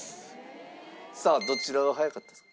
さあどちらが早かったですか？